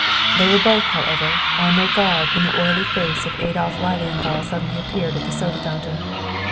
They were both, however, on their guard when the oily face of Adolph Lilienthal suddenly appeared at the soda fountain.